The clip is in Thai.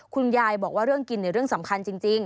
คุณยายบอกว่าเรื่องกินเรื่องสำคัญจริง